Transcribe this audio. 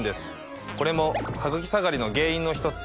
これもハグキ下がりの原因の一つ。